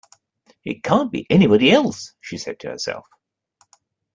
‘It can’t be anybody else!’ she said to herself.